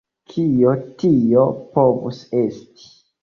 Kio tio povus esti?